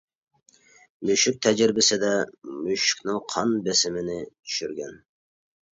مۈشۈك تەجرىبىسىدە مۈشۈكنىڭ قان بېسىمىنى چۈشۈرگەن.